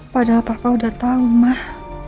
padahal papa udah tau mah